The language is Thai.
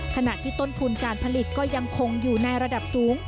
ขณะที่ต้นทุนการผลิตก็ยังคงอยู่ในระดับสูง